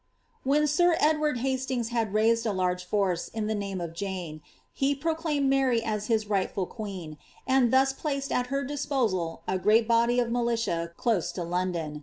When sir Edward Hastings had raised a large force in the name of Jane, he proclaimed Mary as his rightful queen, and thus placed at her disposal a great body of militia close to London.